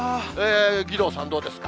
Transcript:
義堂さん、どうですか。